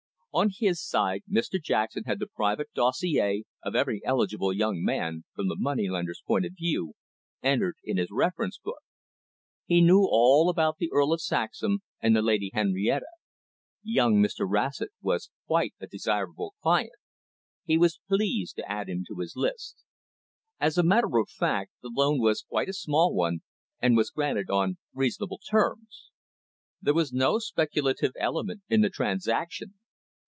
On his side, Mr Jackson had the private dossier of every eligible young man, from the moneylender's point of view, entered in his reference book. He knew all about the Earl of Saxham, and the Lady Henrietta. Young Mr Rossett was quite a desirable client. He was pleased to add him to his list. As a matter of fact, the loan was quite a small one, and was granted on reasonable terms. There was no speculative element in the transaction.